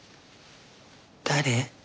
誰？